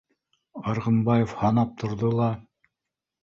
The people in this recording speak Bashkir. Арғынбаев һанап торҙо ла: